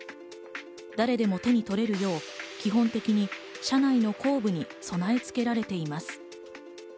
誰でも手に取れるよう基本的に車内の後部に備え付けられています。